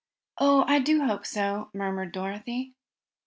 "Oh, I do hope so!" murmured Dorothy.